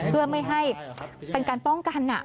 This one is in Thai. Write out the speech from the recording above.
เพื่อไม่ให้เป็นการป้องกัน